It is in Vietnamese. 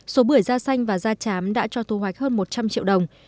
số bưởi da xanh và da chám đã cho thu hoạch hơn một trăm linh triệu đồng